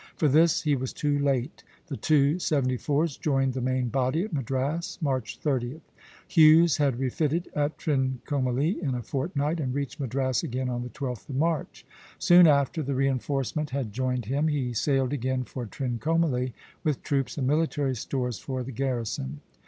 For this he was too late; the two seventy fours joined the main body at Madras, March 30th. Hughes had refitted at Trincomalee in a fortnight, and reached Madras again on the 12th of March. Soon after the reinforcement had joined him, he sailed again for Trincomalee with troops and military stores for the garrison.